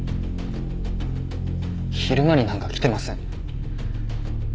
昼間になんか来てません。